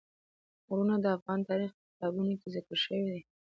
غرونه د افغان تاریخ په کتابونو کې ذکر شوی دي.